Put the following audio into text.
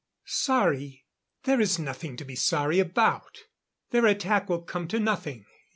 "Sorry? There is nothing to be sorry about. Their attack will come to nothing